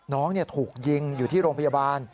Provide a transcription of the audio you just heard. น้องถูกยิงอยู่ที่โรงพยาบาล